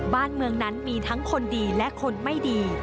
บ้านเมืองนั้นมีทั้งคนดีและคนไม่ดี